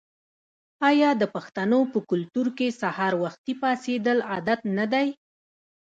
آیا د پښتنو په کلتور کې سهار وختي پاڅیدل عادت نه دی؟